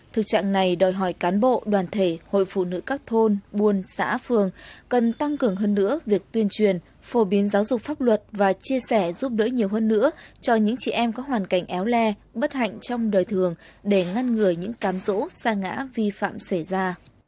thực trạng này đòi hỏi cán bộ đoàn thể hội phụ nữ các thôn buôn xã phường cần tăng cường hơn nữa việc tuyên truyền phổ biến giáo dục pháp luật và chia sẻ giúp đỡ nhiều hơn nữa cho những chị em có hoàn cảnh éo le bất hạnh trong đời thường để ngăn ngừa những cám rỗ xa ngã vi phạm xảy ra